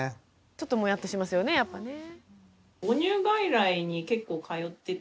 ちょっともやっとしますよねやっぱね。